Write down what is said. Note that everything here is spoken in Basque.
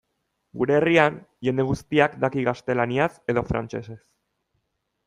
Gure herrian jende guztiak daki gaztelaniaz edo frantsesez.